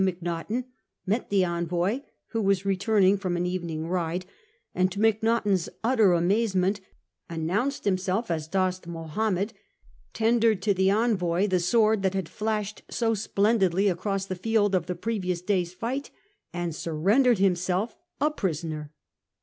Macnaghten, met the envoy, who was returning from an evening ride, and to Mac naghten's utter amazement announced himself as Dost Mahomed, tendered to the envoy the sword that had flashed so splendidly across the field of the previous day's fight, and surrendered himself a prisoner.